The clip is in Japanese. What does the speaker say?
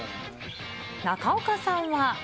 中岡さんは。